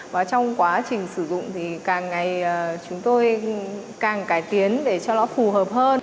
và trong quá trình sử dụng thì càng ngày chúng tôi càng cải tiến để cho nó phù hợp hơn